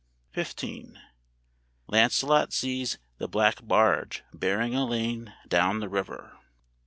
] XV. "LANCELOT SEES THE BLACK BARGE BEARING ELAINE DOWN THE RIVER."